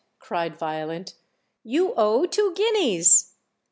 cried Violent. "You owe two guineas."